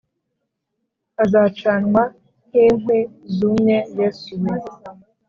Azacanwa nk`inkwi zumye yesu wee!!!